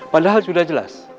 padahal sudah jelas